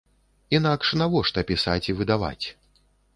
Інакш навошта пісаць і выдаваць?